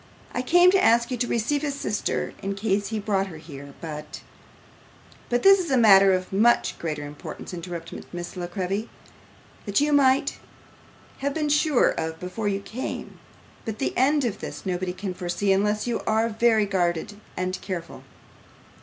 'I came to ask you to receive his sister in case he brought her here, but ' 'But this is a matter of much greater importance,' interrupted Miss La Creevy; 'that you might have been sure of before you came, but the end of this, nobody can foresee, unless you are very guarded and careful.